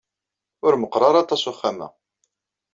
Ur meqqeṛ ara aṭas uxxam-a.